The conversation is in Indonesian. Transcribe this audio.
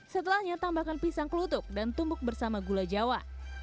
setelahnya tambahkan pisang kelutuk dan tumbuk bersama gula jawa